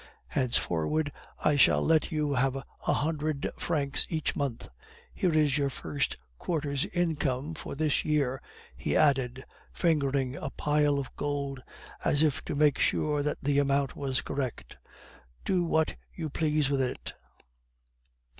Henceforward I shall let you have a hundred francs each month. Here is your first quarter's income for this year,' he added, fingering a pile of gold, as if to make sure that the amount was correct. 'Do what you please with it.